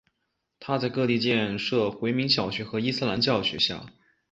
他在各地建设回民小学和伊斯兰教学校。